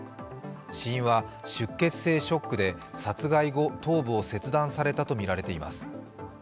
死因は出血性ショックで殺害後、頭部を切断されたとみられています。